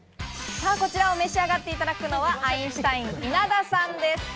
こちらを召し上がっていただくのは、アインシュタイン・稲田さんです。